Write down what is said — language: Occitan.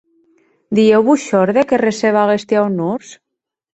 Dilhèu vos shòrde que receba aguesti aunors?